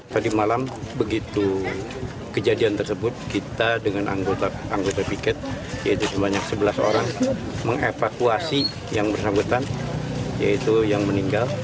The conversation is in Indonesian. tadi malam begitu kejadian tersebut kita dengan anggota piket yaitu sebanyak sebelas orang mengevakuasi yang bersangkutan yaitu yang meninggal